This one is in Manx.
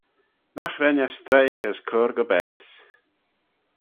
Nagh ren eh stroie as cur gy baase.